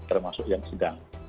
termasuk yang sedang